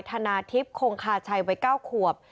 ธนาทิพย์คงคาชัยวัย๙ขวบ